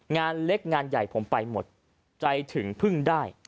งานเล็กงานใหญ่ผมไปหมดใจถึงพึ่งได้